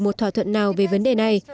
một thỏa thuận nào về vấn đề này